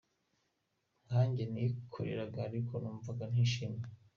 Nka njye nikoreraga ariko numvaga ntishimye.